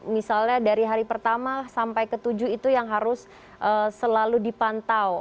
misalnya dari hari pertama sampai ke tujuh itu yang harus selalu dipantau